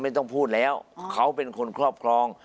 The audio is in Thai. ไม่ต้องพูดแล้วเขาเป็นคนครอบครอง